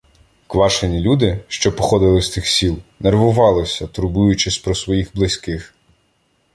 Квашині люди, що походили з тих сіл, нервувалися, турбуючись про своїх близьких.